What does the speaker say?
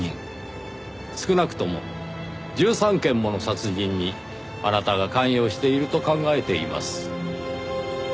少なくとも１３件もの殺人にあなたが関与していると考えています。